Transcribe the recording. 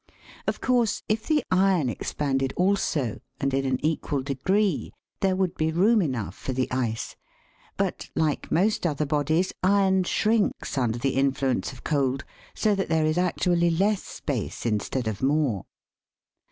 Of course, if the iron expanded also, and in an equal degree, there would be room enough for the ice ; but, like most other bodies, iron shrinks under the influence of cold, so that there is actually less space instead of more.